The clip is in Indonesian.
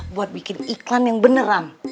buat bikin iklan yang beneran